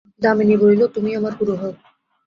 দামিনী বলিল, তুমিই আমার গুরু হও।